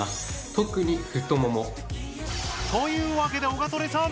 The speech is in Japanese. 特に太もも。というわけでオガトレさん！